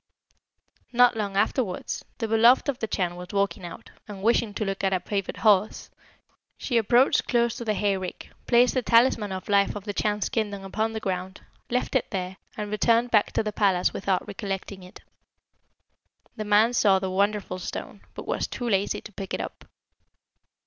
Not long afterwards, the beloved of the Chan was walking out, and wishing to look at a favourite horse, she approached close to the hayrick, placed the talisman of life of the Chan's kingdom upon the ground, left it there, and returned back to the palace without recollecting it. The man saw the wonderful stone, but was too lazy to pick it up.